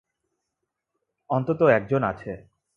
অন্তত একজন আছে।